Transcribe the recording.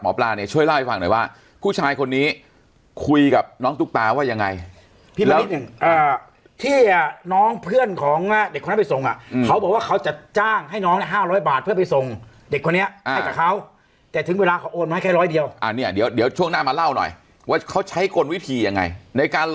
ไม่เจอเขาย้ายออกไปประมาณเดือนต่อฝ่า